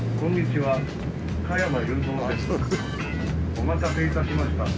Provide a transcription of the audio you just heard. お待たせいたしました。